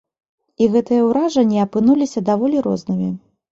І гэтыя ўражанні апынуліся даволі рознымі.